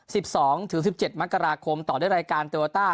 สิบสองถึงสิบเจ็ดมกราคมต่อด้วยรายการโตโยต้า